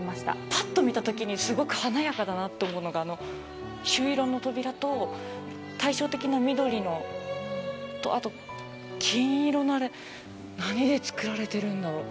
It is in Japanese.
ぱっと見たときに、すごく華やかだなと思うのが、朱色の扉と対照的な緑あと金色のあれは何で作られてるんだろう。